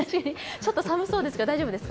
ちょっと寒そうですが、大丈夫ですか？